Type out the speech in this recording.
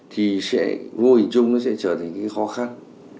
thì sẽ vô hình chung nó sẽ trở thành cái khó khăn